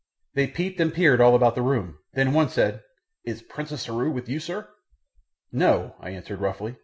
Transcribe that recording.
They peeped and peered all about the room, then one said, "Is Princess Heru with you, sir?" "No," I answered roughly.